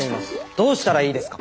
どうしたらいいですか」。